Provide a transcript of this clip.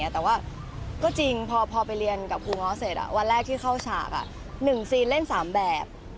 แต่ว่าก็จริงพอไปเรียนกับครูง้อเสร็จวันแรกที่เข้าฉาก๑ซีนเล่น๓แบบ